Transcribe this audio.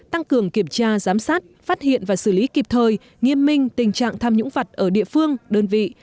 tăng cường kiểm tra giám sát phát hiện và xử lý kịp thời nghiêm minh tình trạng tham nhũng vặt ở địa phương đơn vị